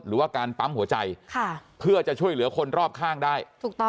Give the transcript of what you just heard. หรือว่าการปั๊มหัวใจเพื่อจะช่วยเหลือคนรอบข้างได้